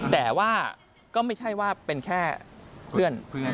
แต่ว่าก็ไม่ใช่ว่าเป็นแค่เพื่อน